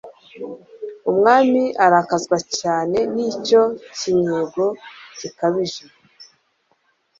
umwami arakazwa cyane n'icyo kinnyego gikabije